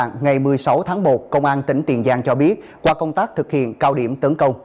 ngày một mươi sáu tháng một công an tỉnh tiền giang cho biết qua công tác thực hiện cao điểm tấn công